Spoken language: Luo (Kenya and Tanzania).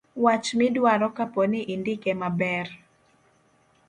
wach midwaro kapo ni indike maber